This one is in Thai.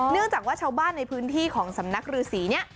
เนื่องจากว่าชาวบ้านในพื้นที่ของสำนักรือสีนี้